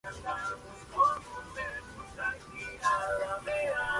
Este tema es ritmo de murga.